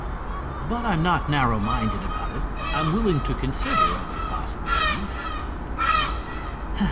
But I'm not narrow minded about it. I'm willing to consider other possibilities.